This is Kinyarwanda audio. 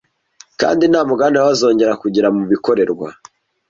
kandi nta mugabane baba bazongera kugira mu bikorerwa